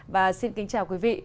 và xin kính chào quý vị